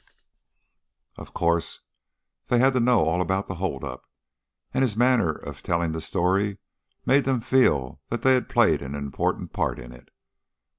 Of course, they had to know all about the holdup, and his manner of telling the story made them feel that they had played an important part in it.